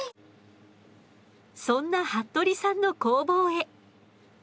そんな服部さんの工房へ。